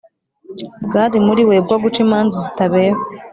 bwari muri we bwo guca imanza zitabera